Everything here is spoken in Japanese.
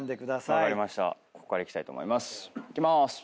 いきまーす。